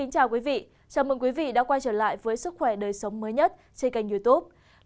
chào mừng quý vị đã quay trở lại với sức khỏe đời sống mới nhất trên kênh youtube